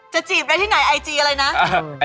จะจีบได้ที่ไหนไอจีอะไรนะ